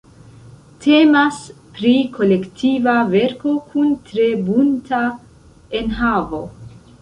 Temas pri kolektiva verko kun tre bunta enhavo.